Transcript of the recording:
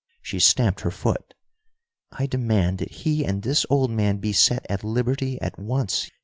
She stamped her foot. "I demand that he and this old man be set at liberty at once.